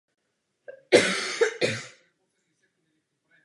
Regina je hlavním sídlem kanadské jízdní policie a University of Regina.